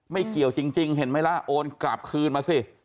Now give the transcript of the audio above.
ไม่เกี่ยวจริงเห็นไหมล่ะโอนกลับคืนมาสิ